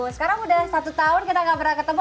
sekarang udah satu tahun kita gak pernah ketemu